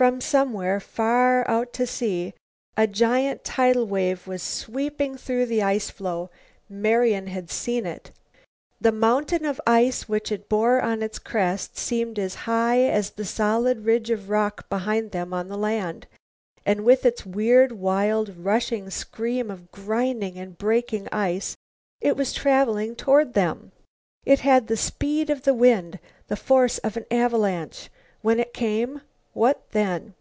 From somewhere, far out to sea, a giant tidal wave was sweeping through the ice floe. Marian had seen it. The mountain of ice which it bore on its crest seemed as high as the solid ridge of rock behind them on the land. And with its weird, wild, rushing scream of grinding and breaking ice, it was traveling toward them. It had the speed of the wind, the force of an avalanche. When it came, what then?